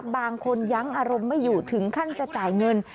บางคนยั้งอารมณ์ไม่อยู่ถึงขั้นจะจ่ายเงิน